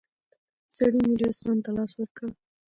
سړي ميرويس خان ته لاس ورکړ.